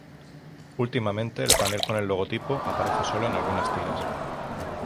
Últimamente el panel con el logotipo aparece sólo en algunas tiras.